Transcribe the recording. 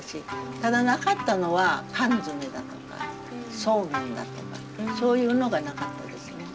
ただなかったのは缶詰だとかそうめんだとかそういうのがなかったですね。